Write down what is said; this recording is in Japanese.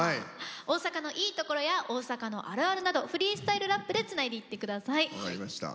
大阪のいいところや大阪のあるあるなどフリースタイルラップでつないでいってください。